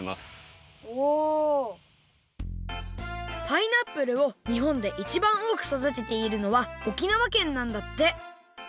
パイナップルをにほんでいちばんおおくそだてているのは沖縄県なんだって。